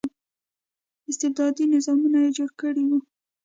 استبدادي نظامونه یې جوړ کړي وو.